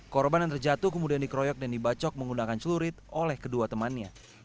korban yang terjatuh kemudian dikeroyok dan dibacok menggunakan celurit oleh kedua temannya